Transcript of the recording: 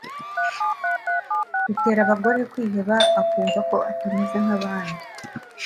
bitera bagore kwiheba akumva ko atameze nk’abandi